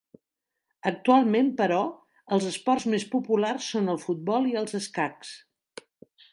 Actualment, però, els esports més populars són el futbol i els escacs.